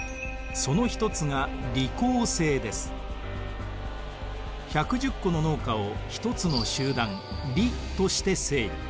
その一つが１１０戸の農家を一つの集団里として整理。